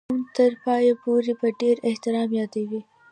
نوم تر پایه پوري په ډېر احترام یادوي.